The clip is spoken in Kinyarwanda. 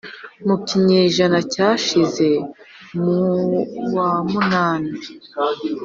mu kinyejana cyashize mu wa munani